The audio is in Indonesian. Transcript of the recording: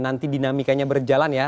nanti dinamikanya berjalan ya